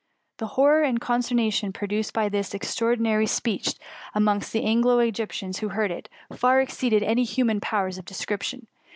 '' The horror and consternation produced by this extraordinary speech, amongst the Anglo THE MUMMY. S4S Egyptians who heard it, far exceeded any hu * man powers of description.